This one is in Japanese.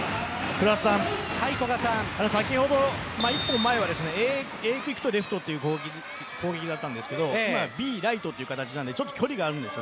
先ほど日本はＡクイックとレフトという攻撃だったんですが今のはＢライトという形なので距離があるんです。